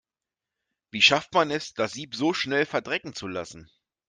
Wie schafft man es, das Sieb so schnell verdrecken zu lassen?